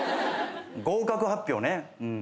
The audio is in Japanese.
合格発表ねうん。